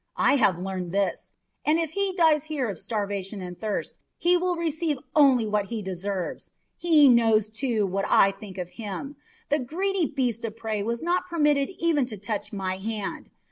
I have learned this, and if he dies here of starvation and thirst he will receive only what he deserves. He knows, too, what I think of him. The greedy beast of prey was not permitted even to touch my hand.